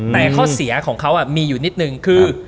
แต่ข้อเสียของเขามีอยู่นิดนึงคือ